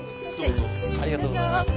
ありがとうございます。